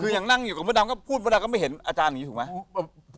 คืออย่างนั่งอยู่กับเมื่อนั้นก็พูดเมื่อนั้นก็ไม่เห็นอาจารย์อย่างนี้ถูกไหม